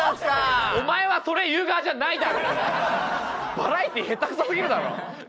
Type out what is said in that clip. バラエティー下手くそすぎるだろ。